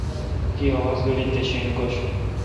کی آواز گیلڈ تے شینگ گوش۔